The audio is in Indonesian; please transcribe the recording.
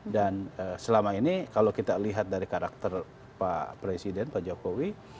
dan selama ini kalau kita lihat dari karakter pak presiden pak jokowi